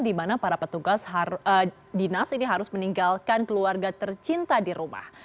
di mana para petugas dinas ini harus meninggalkan keluarga tercinta di rumah